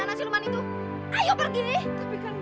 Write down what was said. apa aku salah mencintai kamu